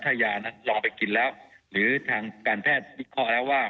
ถ้ายานั้นลองไปกินแล้วหรือทางการแพทย์วิเคราะห์แล้วว่า